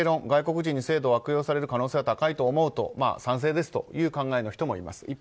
外国人に制度を悪用される可能性は高いと思うと賛成ですという考えの人もいます。